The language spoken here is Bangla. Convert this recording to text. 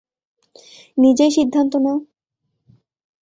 নিজেই সিদ্ধান্ত নাও।